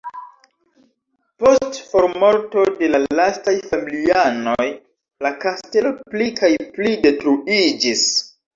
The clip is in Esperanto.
Post formorto de la lastaj familianoj la kastelo pli kaj pli detruiĝis.